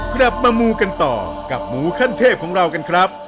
กลับมามูกันต่อกับหมูขั้นเทพของเรากันครับ